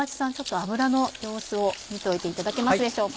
油の様子を見ておいていただけますでしょうか。